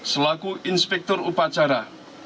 selaku inspektor upacara